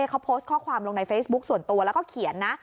เขาโพสต์ข้อความลงในเฟซบุ๊คส่วนตัวแล้วก็เขียนนะ